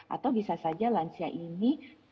atau bisa saja lansia ini